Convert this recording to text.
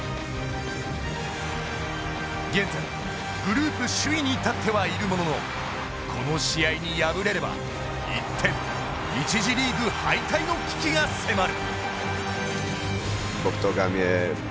現在、グループ首位に立ってはいるもののこの試合に敗れれば、一転１次リーグ敗退の危機が迫る。